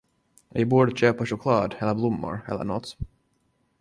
Vi borde köpa choklad eller blommor eller nåt.